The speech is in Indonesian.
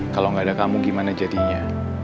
kalau gak ada kamu gimana jadinya